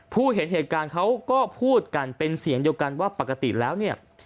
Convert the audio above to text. ผู้เห็นเหตุการณ์เขาก็พูดกันเป็นเสียงเดียวกันว่าปกติแล้วเนี่ย